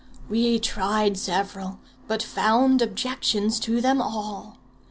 We tried several, but found objections to them all.